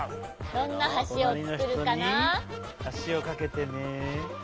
どんなはしになるかな？